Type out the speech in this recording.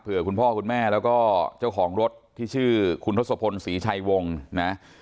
เพื่อคุณพ่อคุณแม่แล้วก็เจ้าของรถที่ชื่อคุณทศพลศรีชัยวงนะ